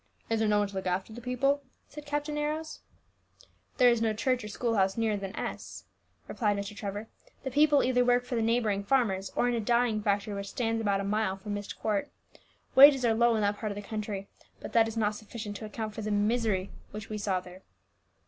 "Is there no one to look after the people?" asked Captain Arrows. "There is no church or school house nearer than S ," replied Mr. Trevor. "The people either work for the neighbouring farmers, or in a dyeing factory which stands about a mile from Myst Court. Wages are low in that part of the country; but that is not sufficient to account for the misery which we saw there.